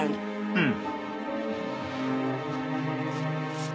うん。